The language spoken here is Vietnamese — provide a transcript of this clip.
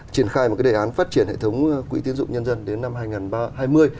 triển khai một đề án phát triển hệ thống quỹ tiến dụng nhân dân đến năm hai nghìn hai mươi